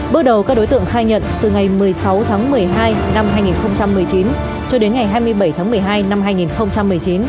bước đầu các đối tượng khai nhận từ ngày một mươi sáu tháng một mươi hai năm hai nghìn một mươi chín cho đến ngày hai mươi bảy tháng một mươi hai năm hai nghìn một mươi chín